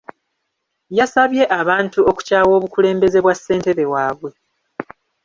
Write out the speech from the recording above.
Yasabye abantu okukyawa obukulembeze bwa ssentebe wabwe.